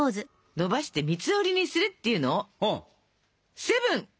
「のばして３つ折りにする」っていうのを「セブン！」